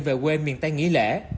về quê miền tây nghỉ lễ